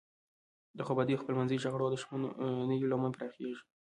د خوابدیو، خپلمنځي شخړو او دښمنیو لمن پراخیږي.